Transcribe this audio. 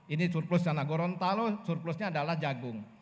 ini surplus canagoronta lho surplusnya adalah jagung